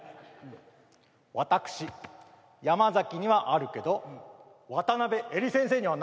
私山崎にはあるけど渡邊えり先生にはない。